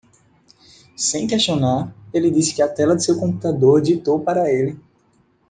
Sem questionar, ele disse o que a tela de seu computador ditou para ele.